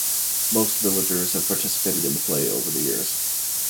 Most villagers have participated in the play over the years.